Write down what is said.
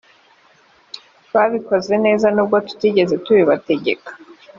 babikoze neza nubwo tutigeze tubibategeka